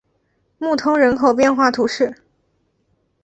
穆通人口变化图示